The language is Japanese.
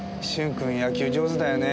君野球上手だよね。